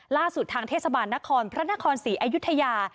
ทางเทศบาลนครพระนครศรีอยุธยา